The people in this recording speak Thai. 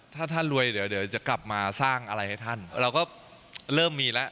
ถ้าท่านรวยเดี๋ยวจะกลับมาสร้างอะไรให้ท่านเราก็เริ่มมีแล้ว